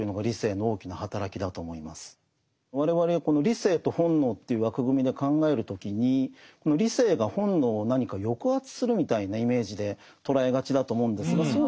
我々この理性と本能という枠組みで考える時に理性が本能を何か抑圧するみたいなイメージで捉えがちだと思うんですがそう